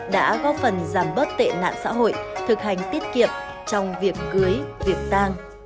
đã góp phần giảm bớt tệ nạn xã hội thực hành tiết kiệm trong việc cưới việc giang